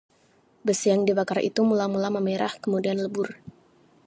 besi yang dibakar itu mula-mula memerah kemudian lebur